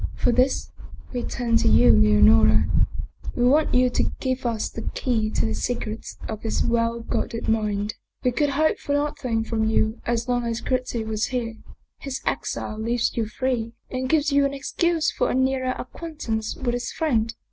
For this we turn to you, Leonora; we want you to give us the key to the secrets of this well guarded mind. We could hope for nothing from you as long as Gritti was here. His exile leaves you free and gives you an excuse for a nearer acquaintance with his friend.